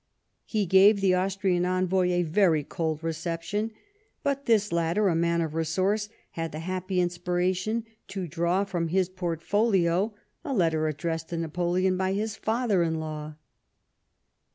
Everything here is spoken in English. He gave the Austrian envoy a very cold reception, but this latter, a man of resource, had the happy inspiration to draw from his portfolio a letter addressed to Napoleon by his father in law.